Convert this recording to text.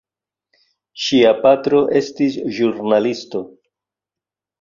Ŝia patro estis ĵurnalisto.